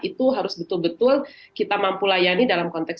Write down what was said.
itu harus betul betul kita mampu layani dalam konteks